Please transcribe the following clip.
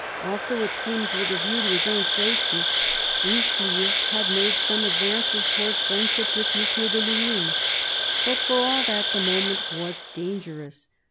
Also, it seems, with a view to his own safety, Richelieu had made some advances towards friendship with M. de Luynes. But, for all that, the moment was dangerous.